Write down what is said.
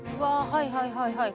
はいはいはいはい。